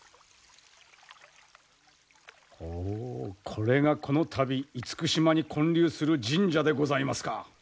これがこの度厳島に建立する神社でございますか。